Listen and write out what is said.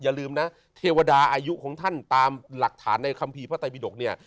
อย่าลืมนะเทวดาอายุของท่านตามหลักฐานในคัมภีร์พระไตบิดกเนี่ย